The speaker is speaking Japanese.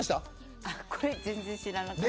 全然知らなかった。